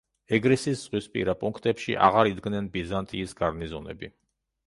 ეგრისის ზღვისპირა პუნქტებში აღარ იდგნენ ბიზანტიის გარნიზონები.